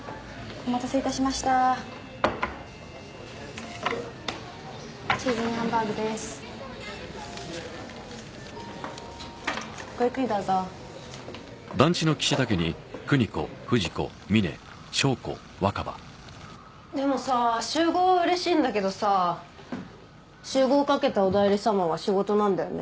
お待たせいたしましたチーズインハンバーグですごゆっくりどうぞでもさ集合はうれしいんだけどさ集合かけたおだいり様は仕事なんだよね？